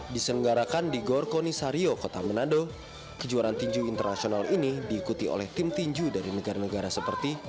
diselenggarakan di gorko nisario kota manado kejuaraan tinju internasional ini diikuti oleh tim tinju dari negara negara seperti